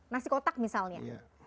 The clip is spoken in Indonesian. nasi kotak misalnya